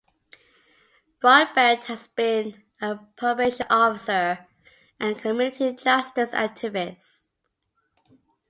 Broadbent has been a probation officer and community justice activist.